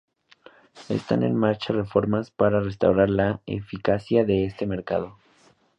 Están en marcha reformas para restaurar la eficacia de este mercado.